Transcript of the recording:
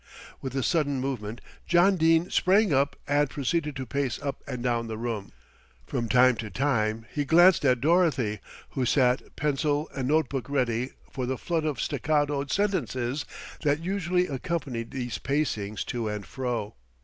With a sudden movement John Dene sprang up and proceeded to pace up and down the room. From time to time he glanced at Dorothy, who sat pencil and note book ready for the flood of staccatoed sentences that usually accompanied these pacings to and fro.